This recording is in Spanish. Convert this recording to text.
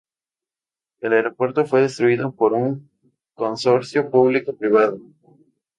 El aeropuerto fue construido por un consorcio público-privado.